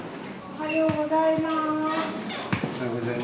おはようございます。